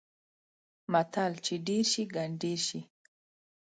متل: چې ډېر شي؛ ګنډېر شي.